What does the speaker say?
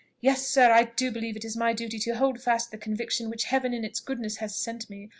Yes, sir; I do believe it is my duty to hold fast the conviction which Heaven in its goodness has sent me.